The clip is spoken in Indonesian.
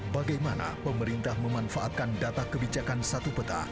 bagaimana pemerintah memanfaatkan data kebijakan satu peta